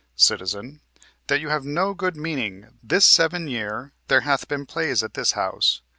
Citizen: "That you have no good meaning; this seven year there hath been plays at this house.